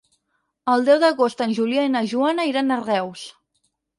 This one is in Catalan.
El deu d'agost en Julià i na Joana iran a Reus.